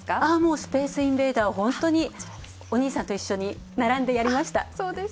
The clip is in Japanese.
「スペースインベーダー」は本当にお兄さんと一緒に並んでやりました。